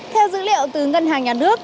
theo dữ liệu từ ngân hàng nhà nước